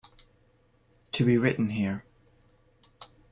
To be written here.